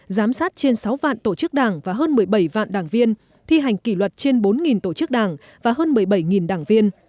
giám sát trên sáu vạn tổ chức đảng và hơn một mươi bảy vạn đảng viên thi hành kỷ luật trên bốn tổ chức đảng và hơn một mươi bảy đảng viên